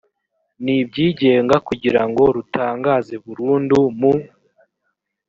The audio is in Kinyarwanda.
n ibyigenga kugirango rutangaze burundu mu